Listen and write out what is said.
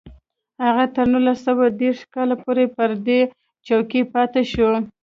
هغه تر نولس سوه دېرش کال پورې پر دې څوکۍ پاتې شو